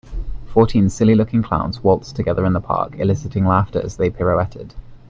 Fourteen silly looking clowns waltzed together in the park eliciting laughter as they pirouetted.